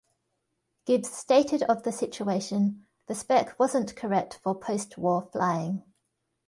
Gibbs stated of the situation: the spec wasn't correct for post-war flying.